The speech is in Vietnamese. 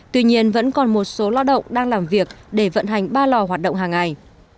tuy nhiên vẫn còn một số lao động đang làm việc để vận hành ba lò hoạt động hàng ngày